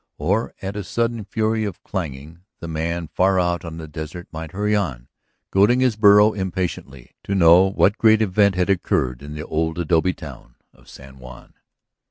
Or, at a sudden fury of clanging, the man far out on the desert might hurry on, goading his burro impatiently, to know what great event had occurred in the old adobe town of San Juan.